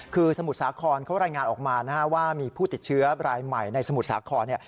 คือสมุทรสาครเขารายงานออกมานะฮะว่ามีผู้ติดเชื้อรายใหม่ในสมุทรสาคร